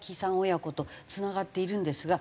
親子とつながっているんですが。